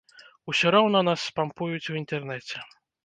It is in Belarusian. Усё роўна нас спампуюць у інтэрнэце.